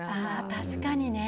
確かにね。